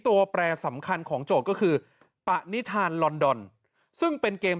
แปรสำคัญของโจทย์ก็คือปะนิธานลอนดอนซึ่งเป็นเกม